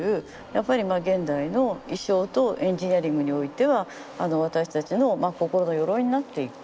やっぱり現代の意匠とエンジニアリングにおいては私たちの心の鎧になっていく。